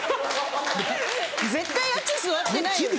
絶対あっち座ってないよね。